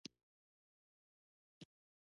افغانستان له زمرد ډک دی.